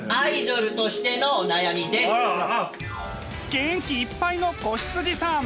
元気いっぱいの子羊さん！